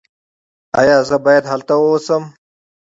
ایا زه باید هلته اوسم؟